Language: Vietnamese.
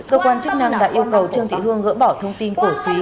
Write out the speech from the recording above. cơ quan chức năng đã yêu cầu trương thị hương gỡ bỏ thông tin cổ suý